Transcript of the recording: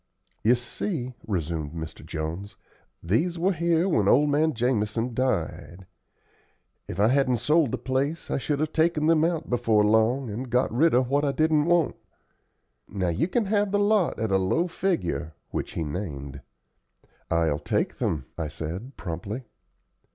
"You see," resumed Mr. Jones, "these were here when old man Jamison died. If I hadn't sold the place I should have taken them out before long, and got rid of what I didn't want. Now you can have the lot at a low figure," which he named. "I'll take them," I said, promptly.